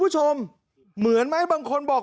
จมูกมิเก็ต